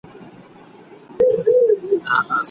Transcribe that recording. تدریسي نصاب په ناسمه توګه نه رهبري کیږي.